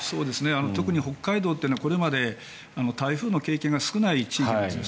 特に北海道というのはこれまで台風の経験が少ない地域ですね。